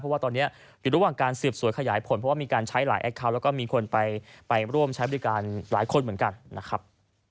เพราะว่าตอนนี้อยู่ระหว่างการสืบสวนขยายผลเพราะว่ามีการใช้หลายแอคเคาน์แล้วก็มีคนไปร่วมใช้บริการหลายคนเหมือนกันนะครับ